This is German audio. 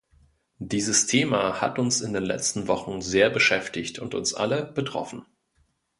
Dieses Thema hat uns in den letzten Wochen sehr beschäftigt und uns alle betroffen.